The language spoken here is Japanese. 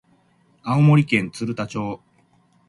青森県鶴田町